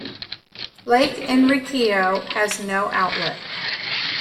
Lake Enriquillo has no outlet.